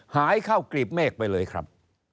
หายเข้ากรีบเมฆไปเลยครับ